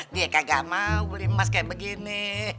dia kagak mau beli emas kaya begini